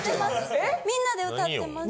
みんなで歌ってます！